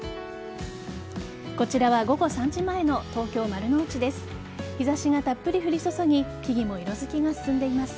こちらは午後３時前の東京丸の内です。